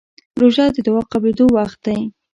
روژه د دعا قبولېدو وخت دی.